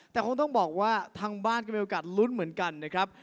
แต่คงต้องบอกว่าทางบ้านก็มีโอกาสลุ้นเหมือนกันนะครับ